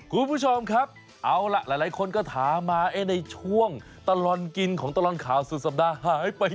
คุณผู้ชมครับเอาล่ะหลายคนก็ถามมาในช่วงตลอดกินของตลอดข่าวสุดสัปดาห์หายไป